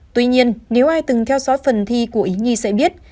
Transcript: tuy nhiên nếu ai từng theo phần thi của ý nhi sẽ biết